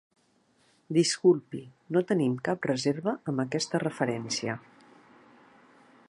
Disculpi, no tenim cap reserva amb aquesta referència.